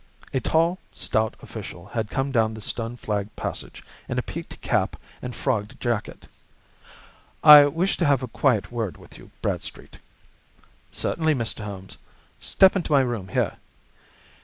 A tall, stout official had come down the stone flagged passage, in a peaked cap and frogged jacket. "I wish to have a quiet word with you, Bradstreet." "Certainly, Mr. Holmes. Step into my room here."